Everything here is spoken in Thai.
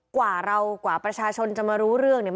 กว่าเรากว่าประชาชนจะมารู้เรื่องเนี่ย